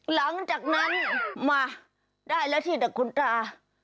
หลังจากนั้นมาได้แล้วที่แต่คุณตา